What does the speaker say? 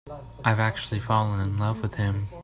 I've actually fallen in love with him.